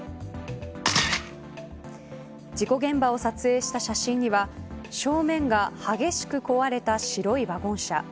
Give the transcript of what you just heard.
事故現場を撮影した写真には正面が激しく壊れた白いワゴン車。